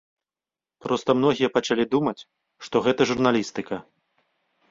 Проста многія пачалі думаць, што гэта журналістыка.